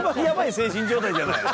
精神状態じゃない」